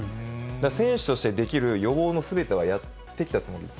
選手としてできる予防のすべてはやってきたつもりです。